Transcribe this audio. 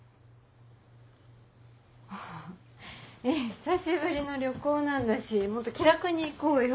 久しぶりの旅行なんだしもっと気楽にいこうよ。